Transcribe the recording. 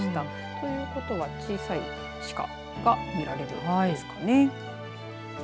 ということは、小さい鹿が見られるということですかね。